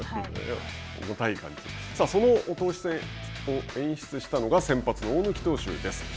その投手戦を演出したのが、先発の大貫投手です。